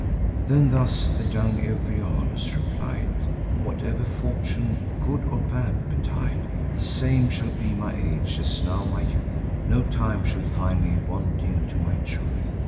Then thus the young Euryalus replied: "Whatever fortune, good or bad, betide, The same shall be my age, as now my youth; No time shall find me wanting to my truth.